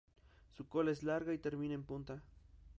Su cola es larga y termina en punta.